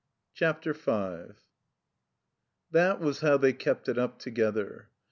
CHAPTER V THAT was how they kept it up together.